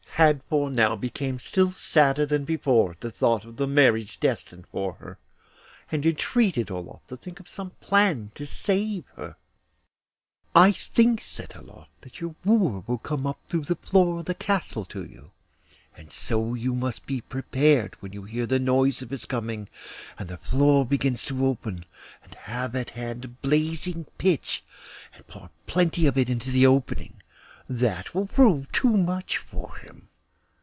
Hadvor now became still sadder than before at the thought of the marriage destined for her, and entreated Olof to think of some plan to save her. 'I think,' said Olof, 'that your wooer will come up through the floor of the castle to you, and so you must be prepared when you hear the noise of his coming and the floor begins to open, and have at hand blazing pitch, and pour plenty of it into the opening. That will prove too much for him.